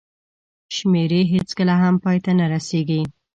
شمېرې هېڅکله هم پای ته نه رسېږي.